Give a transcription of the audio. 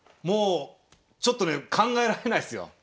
もうちょっとね考えられないっすよ。